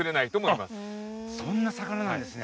そんな魚なんですね。